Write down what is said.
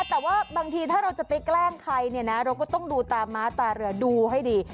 แต่ว่าบางทีถ้าเราจะไปแกล้งใครเนี่ยนะเราก็ต้องดูตาม้าตาเรือดูให้ดี